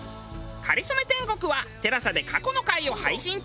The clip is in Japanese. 『かりそめ天国』はＴＥＬＡＳＡで過去の回を配信中！